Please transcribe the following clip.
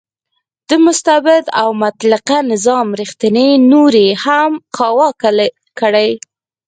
د مستبد او مطلقه نظام ریښې نورې هم کاواکه کړې.